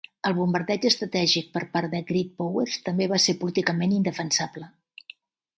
El bombardeig estratègic per part de Great Powers també va ser políticament indefensable.